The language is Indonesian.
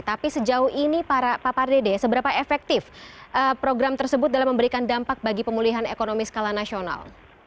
tapi sejauh ini pak pardede seberapa efektif program tersebut dalam memberikan dampak bagi pemulihan ekonomi skala nasional